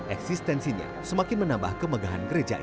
eksistensinya semakin menambah kemegahan gereja ini